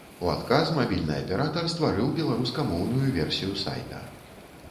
У адказ мабільны аператар стварыў беларускамоўную версію сайта.